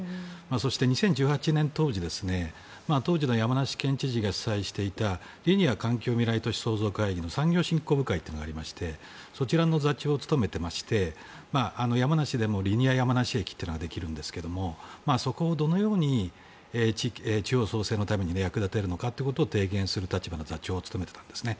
そして、２０１８年当時当時の山梨県知事が主催していたリニア環境未来都市創造会議の新興産業部会というのがありましてそちらの座長を務めていまして山梨でもリニア山梨駅というのができるんですがそこをどのように地方創生のために役立てるのかということを提言する立場の座長を務めていたんですね。